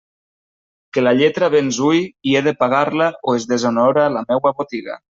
Que la lletra venç hui, i he de pagar-la o es deshonora la meua botiga.